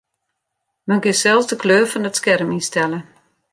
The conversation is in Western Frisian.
Men kin sels de kleur fan it skerm ynstelle.